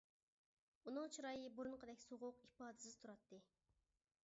ئۇنىڭ چىرايى بۇرۇنقىدەك سوغۇق، ئىپادىسىز تۇراتتى.